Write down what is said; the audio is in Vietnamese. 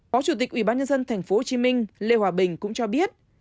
phó chủ tịch ubnd tp hcm lê hòa bình cũng cho biết